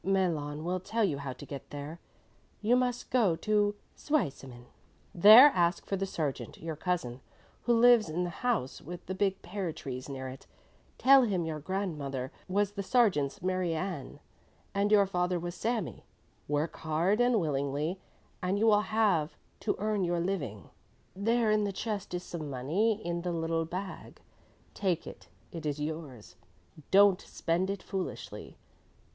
Malon will tell you how to get there. You must go to Zweisimmen. There ask for the sergeant, your cousin, who lives in the house with the big pear trees near it. Tell him your grandmother was the sergeant's Mary Ann and your father was Sami. Work hard and willingly, you will have to earn your living. There in the chest is some money in the little bag; take it, it is yours; don't spend it foolishly.